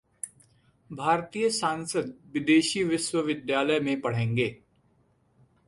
भारतीय सांसद विदेशी विश्वविद्यालय में पढ़ेंगे!